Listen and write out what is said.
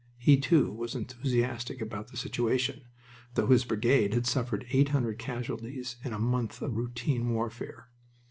He, too, was enthusiastic about the situation, though his brigade had suffered eight hundred casualties in a month of routine warfare.